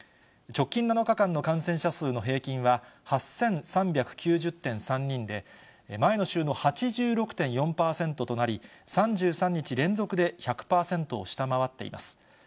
直近７日間の感染者数の平均は８３９０．３人で、前の週の８６．４％となり、３３日連続で１００％を下回っています。